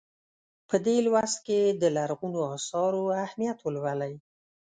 په دې لوست کې د لرغونو اثارو اهمیت ولولئ.